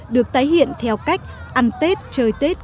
được tái hiện theo cách ăn tết chơi tết